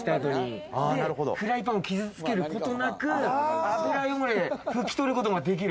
フライパンを傷つけることなく、油汚れ、拭き取ることができる。